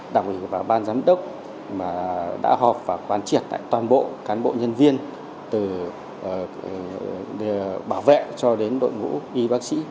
đặc biệt là ban giám đốc đã họp và quan triệt toàn bộ cán bộ nhân viên từ bảo vệ cho đến đội ngũ y bác sĩ